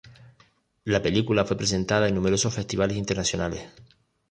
La película fue presentada en numerosos festivales internacionales.